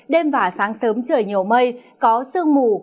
đêm và sáng sớm trời nhiều mây có sương mù